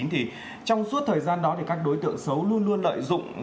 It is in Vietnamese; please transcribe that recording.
trong suốt thời gian đó thì các đối tượng xấu luôn luôn lợi dụng